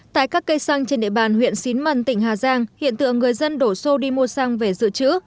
tại các cây xăng trên địa bàn huyện xín mần tỉnh hà giang hiện tượng người dân đổ xô đi mua xăng về dự trữ